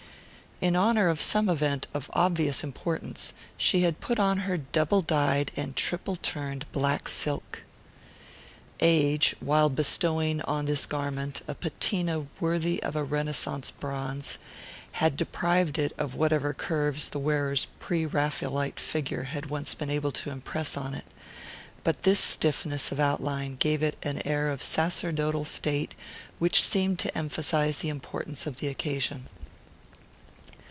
In honour of some event of obvious importance, she had put on her double dyed and triple turned black silk. Age, while bestowing on this garment a patine worthy of a Renaissance bronze, had deprived it of whatever curves the wearer's pre Raphaelite figure had once been able to impress on it; but this stiffness of outline gave it an air of sacerdotal state which seemed to emphasize the importance of the occasion.